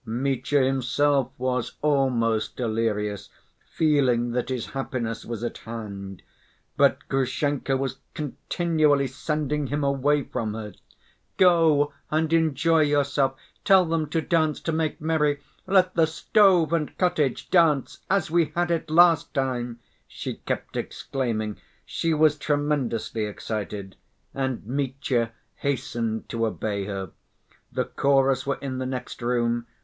Mitya himself was almost delirious, feeling that his happiness was at hand. But Grushenka was continually sending him away from her. "Go and enjoy yourself. Tell them to dance, to make merry, 'let the stove and cottage dance'; as we had it last time," she kept exclaiming. She was tremendously excited. And Mitya hastened to obey her. The chorus were in the next room.